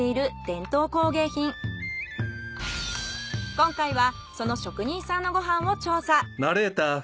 今回はその職人さんのご飯を調査。